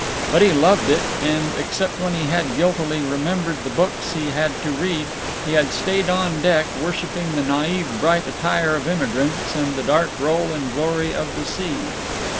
But he loved it and, except when he had guiltily remembered the books he had to read, he had stayed on deck, worshiping the naive bright attire of immigrants and the dark roll and glory of the sea.